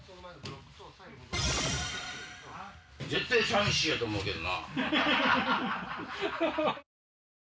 絶対「寂しい」やと思うけどな。